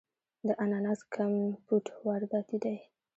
د اناناس کمپوټ وارداتی دی.